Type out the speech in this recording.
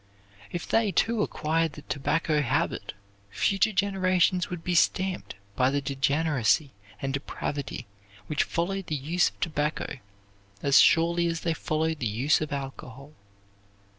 If they too acquired the tobacco habit future generations would be stamped by the degeneracy and depravity which follow the use of tobacco as surely as they follow the use of alcohol.